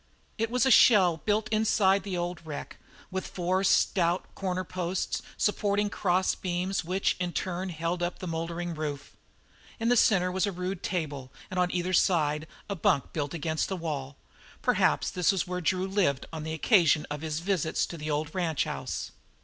It was a new shell built inside the old wreck, with four stout corner posts supporting cross beams, which in turn held up the mouldering roof. In the centre was a rude table and on either side a bunk built against the wall. Perhaps this was where Drew lived on the occasions of his visits to the old ranchhouse.